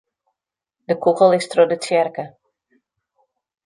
De kûgel is troch de tsjerke.